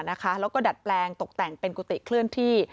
แล้วก็ดัดแปลงตกแต่งเป็นกุฏิเคลื่อนที่